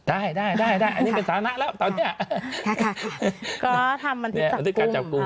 ได้ได้ได้ได้อันนี้เป็นสถานะแล้วตอนเนี้ยค่ะค่ะค่ะก็ทำบันทึกจับกลุ่ม